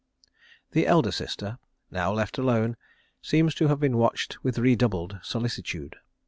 The elder sister, now left alone, seems to have been watched with redoubled solicitude.